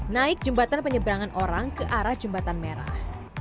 naik jembatan penyeberangan orang ke arah jembatan merah